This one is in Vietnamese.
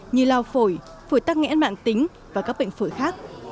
như lao phổi phổi tắc nghẽn mạng tính và các bệnh phổi khác